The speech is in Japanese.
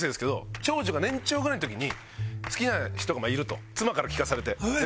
長女が年長ぐらいの時に好きな人がいると妻から聞かされて。